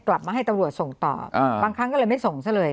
กลับมาให้ตำรวจส่งต่อบางครั้งก็เลยไม่ส่งซะเลย